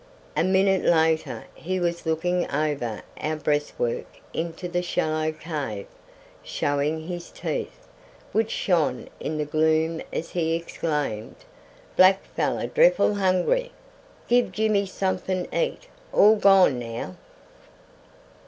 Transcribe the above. A minute later he was looking over our breastwork into the shallow cave, showing his teeth, which shone in the gloom as he exclaimed: "Black fellow dreffle hungry. Give Jimmy somefin eat. All gone now."